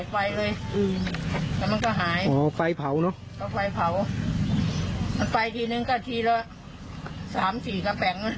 ฟ้าเปล่าเนาะ